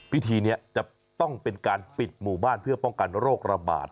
พิธีนี้จะต้องเป็นการปิดหมู่บ้านเพื่อป้องกันโรคระบาด